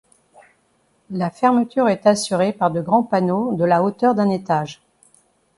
La fermeture est assurée par de grands panneaux de la hauteur d’un étage.